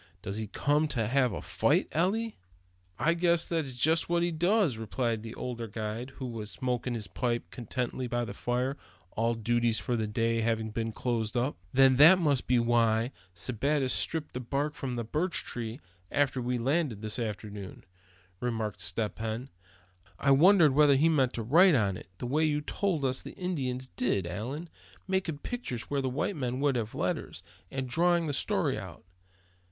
Does he come to have a fight, Eli?" "I guess that's jest what he does," replied the older guide, who was smoking his pipe contentedly by the fire, all duties for the day having been closed up. "Then that must have been why Sebattis stripped that bark from the birch tree after we landed this afternoon," remarked Step Hen. "I wondered whether he meant to write on it, the way you told us the Indians did, Allan; making pictures where white men would have letters, and drawing the story out.